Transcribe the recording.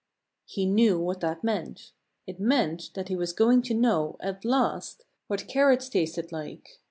He knew what that meant. It meant that he was going to know, at last, what carrots tasted like.